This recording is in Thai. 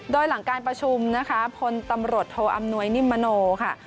โดยหลังการประชุมนะคะพลตำรวจโทอำนวยนิมมโนค่ะ